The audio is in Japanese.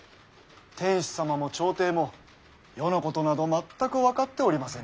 天子様も朝廷も世のことなど全く分かっておりませぬ。